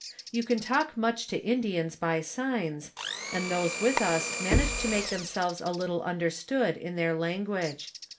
You can talk much to Indians by signs, and those with us managed to make themselves a little under stood in their language.